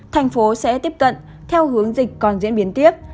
thành phố sẽ tiếp cận theo hướng dịch còn diễn biến tiếp